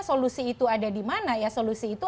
solusi itu ada di mana ya solusi itu